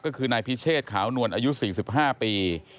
ก็คือนายพิเชศขาวนวลอายุสิกสิบห้าปี